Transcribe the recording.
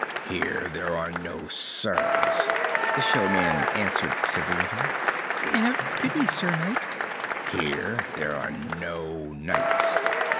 "Here there are no sirs," the showman answered severely. "Have pity, Sir Knight!" "Here there are no knights!"